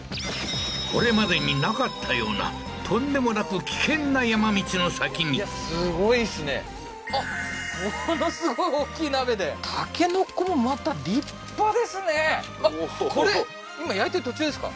これまでになかったようなとんでもなく危険な山道の先にすごいですねあっものすごい大きい鍋で竹の子もまた立派ですねあっこれ今焼いてる途中ですか？